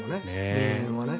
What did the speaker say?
人間はね。